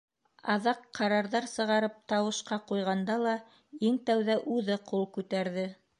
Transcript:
Аҙаҡ, ҡарарҙар сығарып, тауышҡа ҡуйғанда ла, иң тәүҙә үҙе ҡул күтәрҙе.